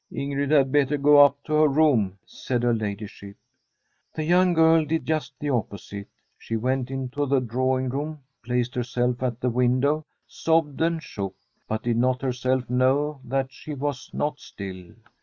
* Ingrid had better go up to her room,' said her ladyship. The young girl did just the opposite. She went into the drawing room, placed herself at the window, sobbed and shook, but did not her From a SWEDISH HOMESTEAD self know that she was not still.